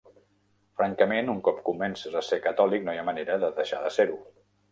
Francament, un cop comences a ser catòlic no hi ha manera de deixar de ser-ho.